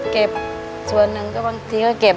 เก็บส่วนหนึ่งก็บางทีก็เก็บ